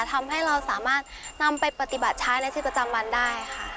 ทำให้เราสามารถนำไปปฏิบัติใช้ในชีวิตประจำวันได้ค่ะ